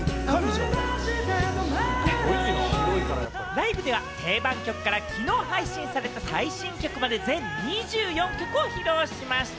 ライブでは定番曲からきのう、配信された最新曲まで全２４曲を披露しました。